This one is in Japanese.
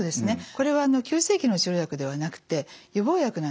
これは急性期の治療薬ではなくて予防薬なんですね。